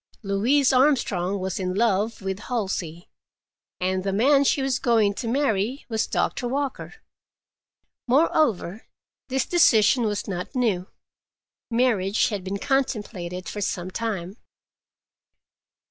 Louise Armstrong was in love with Halsey, and the man she was going to marry was Doctor Walker. Moreover, this decision was not new; marriage had been contemplated for some time.